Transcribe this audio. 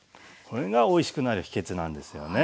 これがおいしくなる秘けつなんですよね。